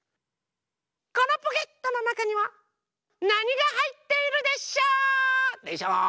このポケットのなかにはなにがはいっているでショー？でショー？